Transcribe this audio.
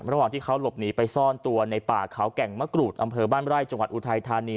ระหว่างที่เขาหลบหนีไปซ่อนตัวในป่าเขาแก่งมะกรูดอำเภอบ้านไร่จังหวัดอุทัยธานี